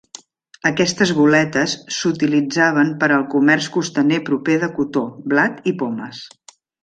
Aquestes goletes s'utilitzaven per al comerç costaner proper de cotó, blat i pomes.